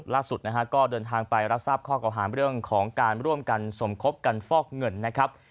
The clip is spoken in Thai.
ล่าสุดนะฮะก็เดินทางไปรับทราบข้อเก่าหาเรื่องของการร่วมกันสมคบกันฟอกเงินนะครับ